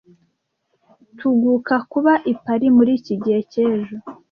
Tuguga kuba i Paris muri iki gihe cyejo.